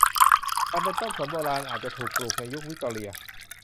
มันเป็นต้นสนโบราณ อาจจะถูกปลูกในยุควิกตอเรีย